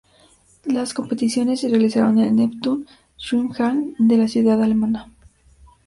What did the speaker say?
Las competiciones se realizaron en el Neptun-Schwimmhalle de la ciudad alemana.